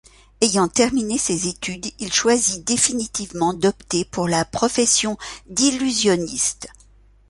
Ayant terminé ses études, il choisit définitivement d'opter pour la profession d’illusionniste.